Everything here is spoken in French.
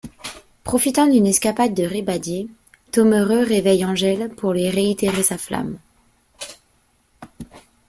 Profitant d'une escapade de Ribadier, Thommereux réveille Angèle pour lui réitérer sa flamme...